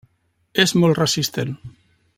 És molt resistent.